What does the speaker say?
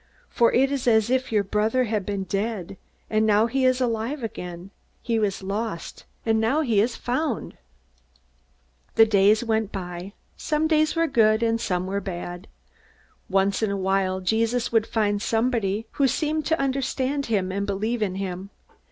For it is as if your brother had been dead, and now he is alive again. He was lost, and now he is found.'" The days went by. Some days were good, and some were bad. Once in a while Jesus would find somebody who seemed to understand him and believe in him.